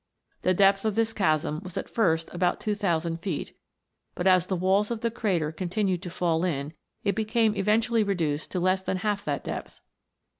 The depth of this chasm was at first about 2000 feet, but as the walls of the crater continued to fall in, it became eventually reduced to less than half that depth.